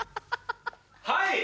はい。